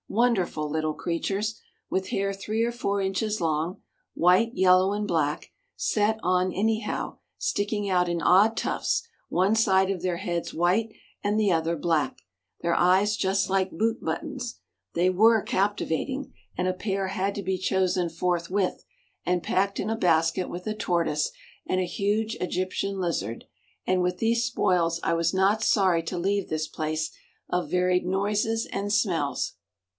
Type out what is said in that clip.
Wonderful little creatures! With hair three or four inches long, white, yellow and black, set on anyhow, sticking out in odd tufts, one side of their heads white and the other black, their eyes just like boot buttons, they were captivating; and a pair had to be chosen forthwith, and packed in a basket with a tortoise and a huge Egyptian lizard, and with these spoils I was not sorry to leave this place of varied noises and smells.